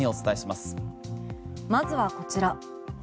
まずはこちら。